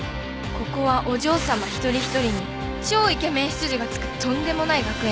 ここはお嬢さま一人一人に超イケメン執事がつくとんでもない学園だ。